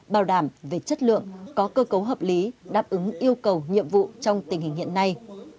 bảo đảm về chất lượng có cơ cấu hợp lý đáp ứng yêu cầu nhiệm vụ trong tình hình hiện nay